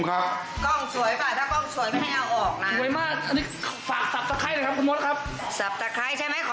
กล้องสวยป่ะถ้ากล้องสวยไม่ได้เอาออกนะ